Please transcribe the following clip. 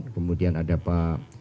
kemudian ada pak